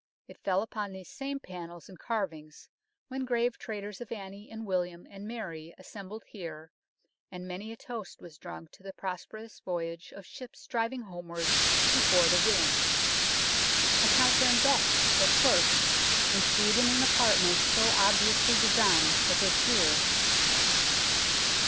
It fell upon these same panels and carvings when grave traders of Anne and William and Mary assembled here, and many a toast was drunk to the prosper ous voyage of ships driving homewards before the wind. A counter and desks for clerks intrude in an apartment so obviously designed for good cheer.